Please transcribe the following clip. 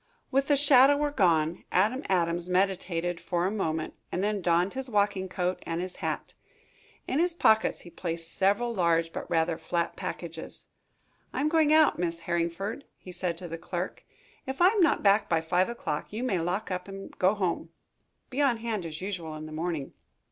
With the shadower gone, Adam Adams meditated for a moment and then donned his walking coat and his hat. In his pockets he placed several large but rather flat packages. "I am going out, Miss Harringford," he said to the clerk. "If I am not back by five o'clock, you may lock up and go home. Be on hand as usual in the morning."